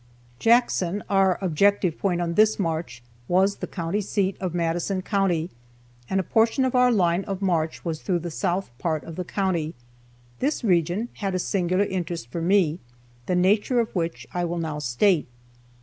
Jackson, our objective point on this march, was the county seat of Madison county, and a portion of our line of march was through the south part of the county. This region had a singular interest for me, the nature of which I will now state.